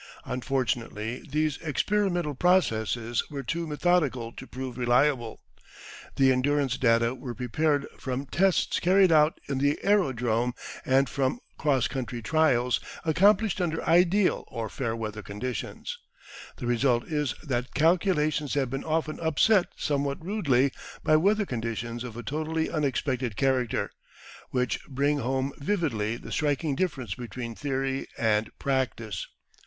Unfortunately, these experimental processes were too methodical to prove reliable. The endurance data were prepared from tests carried out in the aerodrome and from cross country trials accomplished under ideal or fair weather conditions. The result is that calculations have been often upset somewhat rudely by weather conditions of a totally unexpected character, which bring home vividly the striking difference between theory and practice.